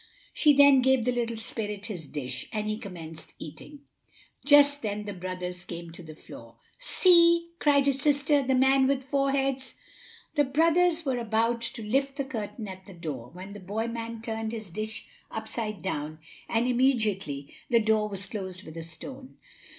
She then gave the little spirit his dish, and he commenced eating. Just then the brothers came to the door. "See!" cried the sister, "the man with four heads!" The brothers were about to lift the curtain at the door, when the boy man turned his dish upside down, and immediately the door was closed with a stone.